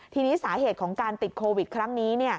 ทีนี้สาเหตุของการติดโควิดครั้งนี้